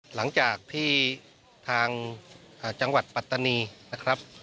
หลังจากที่ทางจังหวัดปัตตานีนะครับ